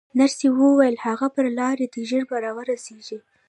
نرسې وویل: هغه پر لار دی، ژر به راورسېږي.